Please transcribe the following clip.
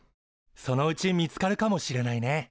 そのうち見つかるかもしれないね。